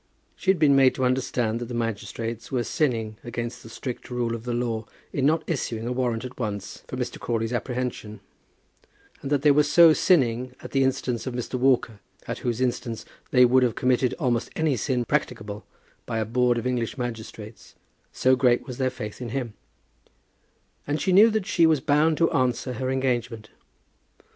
She had been made to understand that the magistrates were sinning against the strict rule of the law in not issuing a warrant at once for Mr. Crawley's apprehension; and that they were so sinning at the instance of Mr. Walker, at whose instance they would have committed almost any sin practicable by a board of English magistrates, so great was their faith in him; and she knew that she was bound to answer her engagement.